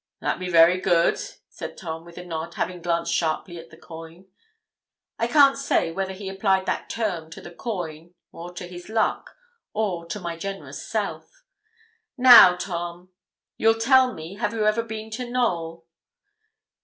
'That be very good,' said Tom, with a nod, having glanced sharply at the coin. I can't say whether he applied that term to the coin, or to his luck, or to my generous self. 'Now, Tom, you'll tell me, have you ever been to Knowl?'